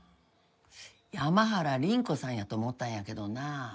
山原倫子さんやと思ったんやけどな。